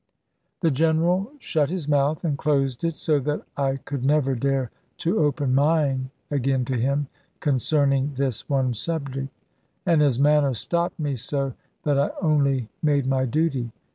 The General shut his mouth and closed it, so that I could never dare to open mine again to him, concerning this one subject. And his manner stopped me so that I only made my duty.